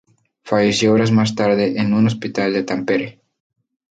Falleció horas más tarde en un hospital de Tampere.